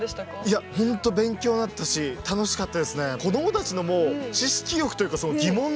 いや本当勉強になったし楽しかったですね。